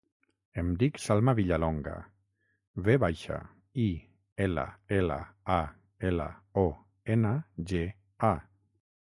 Em dic Salma Villalonga: ve baixa, i, ela, ela, a, ela, o, ena, ge, a.